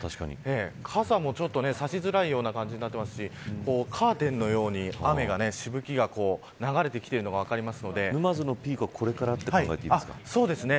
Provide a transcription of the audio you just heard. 傘も差しづらいような感じになっていますしカーテンのように雨が、しぶきが流れてきているのが沼津のピークはそうですね。